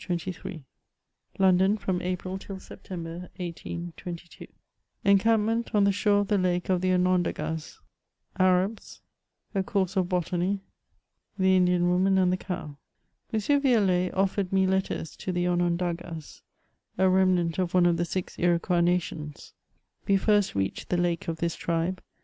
266 MEMOIRS OF Lmdon, from April till September, 1^3» ENCAMFMEMT ON THE gHOBE OF THE LAKE OF THE ONONDAGAS — ^ABABS — A COUB8E OF BOTAKT — THE INDIAN WOMAN AND THE COW. M . Violet offered me letters to the Onondagas, a remnant of one of the six Iroquois nations. We first reached the lake of this tribe.